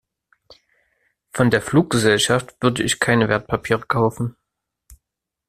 Von der Fluggesellschaft würde ich keine Wertpapiere kaufen.